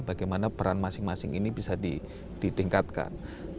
bagaimana peran masing masing ini bisa ditingkatkan